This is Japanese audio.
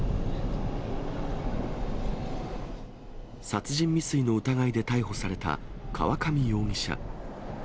殺人未遂の疑いで逮捕された河上容疑者。